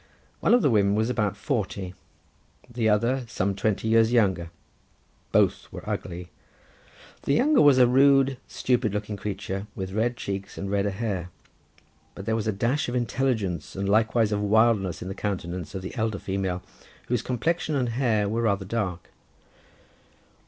One of the women was about forty, the other some twenty years younger; both were ugly. The younger was a rude, stupid looking creature, with red cheeks and redder hair, but there was a dash of intelligence and likewise of wildness in the countenance of the elder female, whose complexion and hair were rather dark.